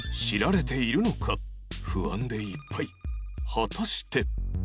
果たして？